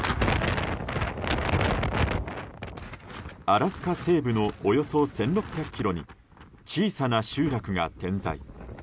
アラスカ西部のおよそ１６００ｋｍに小さな集落が点在。